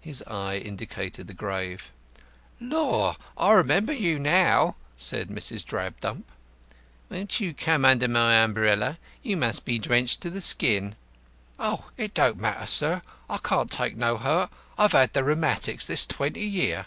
His eye indicated the grave. "Lor! I remember you now," said Mrs. Drabdump. "Won't you come under my umbrella? You must be drenched to the skin." "It don't matter, sir. I can't take no hurt. I've had the rheumatics this twenty year."